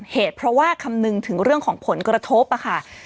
เหตุเพราะว่าคำนึงถึงเรื่องของผลกระทบค่ะ